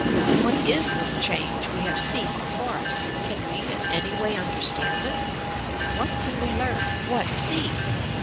What is this change we have seen before YOUR PSYCHIC POWERS ust Can we in any way understand it? What can we learn I What aee!